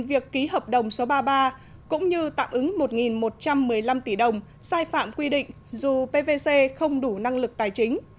việc ký hợp đồng số ba mươi ba cũng như tạm ứng một một trăm một mươi năm tỷ đồng sai phạm quy định dù pvc không đủ năng lực tài chính